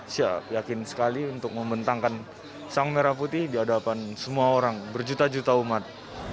saya yakin sekali untuk membentangkan sang merah putih di hadapan semua orang berjuta juta umat